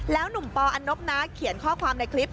หนุ่มปออันนบนะเขียนข้อความในคลิป